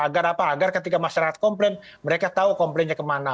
agar apa agar ketika masyarakat komplain mereka tahu komplainnya kemana